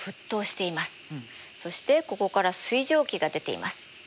そしてここから水蒸気が出ています。